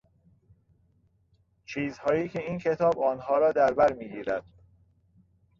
چیزهای که این کتاب آنها را دربرمیگیرد